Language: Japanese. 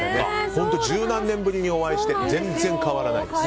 本当に十何年ぶりにお会いして変わらないです。